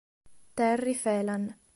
Terry Phelan